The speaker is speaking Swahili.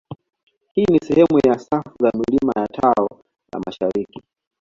Hii ni sehemu ya safu za milima ya tao la mashariki